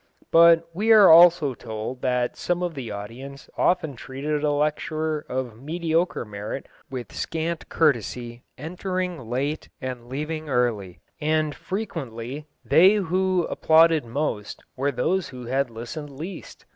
But we are also told that some of the audience often treated a lecturer of mediocre merit with scant courtesy, entering late and leaving early, and frequently they who applauded most were those who had listened least.